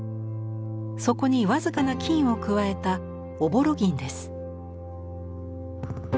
そこに僅かな金を加えた朧銀です。